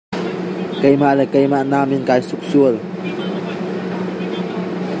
Keimah le keimah nam in kaa tu sual.